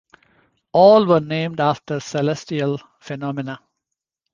All were named after celestial phenomena.